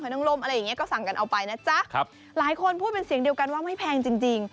น้ำลมอะไรอย่างเงี้ก็สั่งกันเอาไปนะจ๊ะครับหลายคนพูดเป็นเสียงเดียวกันว่าไม่แพงจริงจริง